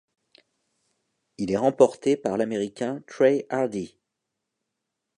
Il est remporté par l'Américain Trey Hardee.